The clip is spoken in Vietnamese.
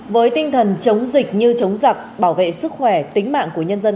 với tinh thần chống dịch như chống giặc bảo vệ sức khỏe tính mạng của nhân dân